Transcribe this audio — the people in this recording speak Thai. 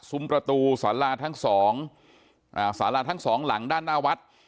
ซุ้มประตูสาราทั้ง๒หลังด้านหน้าวัด